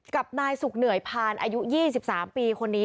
กับนายสุขเหนื่อยพานอายุ๒๓ปีคนนี้